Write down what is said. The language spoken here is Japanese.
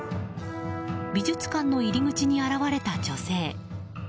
美術館の入り口に現れた女性。